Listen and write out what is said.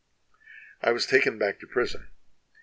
"I was taken back to prison.